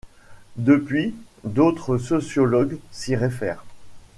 Depuis, d’autres sociologues s’y réfèrent.